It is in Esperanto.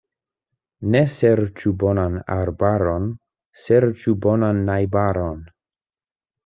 Ne serĉu bonan arbaron, serĉu bonan najbaron.